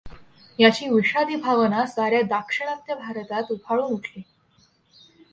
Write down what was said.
याची विषादी भावना साऱ्या दाक्षिणात्य भारतात उफाळून उठली.